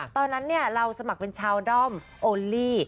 ตอนนั้นเราสมัครเป็นชาวด้อมโอลี่